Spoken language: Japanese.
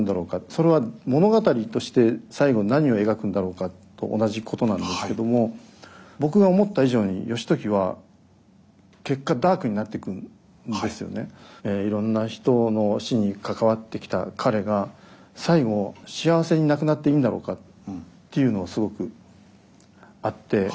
それは物語として最後に何を描くんだろうかと同じことなんですけども僕が思った以上に義時はいろんな人の死に関わってきた彼が最期幸せに亡くなっていいんだろうかっていうのをすごくあって。